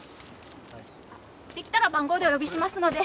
出来たら番号でお呼びしますので。